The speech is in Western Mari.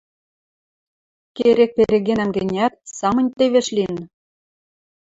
– Керек перегенӓм гӹнят, самынь тевеш лин.